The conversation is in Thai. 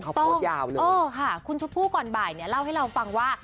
เขาโพสต์ยาวเลยเออค่ะคุณชมพู่ก่อนบ่ายเนี่ยเล่าให้เราฟังว่า